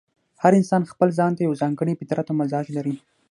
هر انسان ځپل ځان ته یو ځانګړی فطرت او مزاج لري.